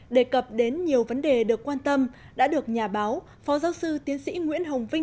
đề cập đến nhiều vấn đề được quan tâm đã được nhà báo phó giáo sư tiến sĩ nguyễn hồng vinh